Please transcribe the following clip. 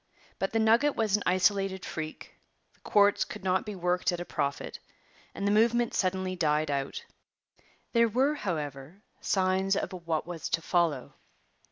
But the nugget was an isolated freak; the quartz could not be worked at a profit; and the movement suddenly died out. There were, however, signs of what was to follow.